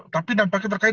tapi nampaknya terkait